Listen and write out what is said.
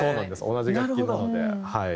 同じ楽器なのではい。